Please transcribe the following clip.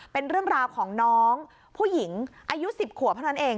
เป็นเรื่องราวของน้องผู้หญิงอายุ๑๐ขวบเท่านั้นเอง